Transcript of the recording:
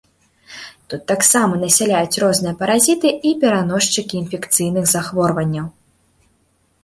Тут таксама насяляюць розныя паразіты і пераносчыкі інфекцыйных захворванняў.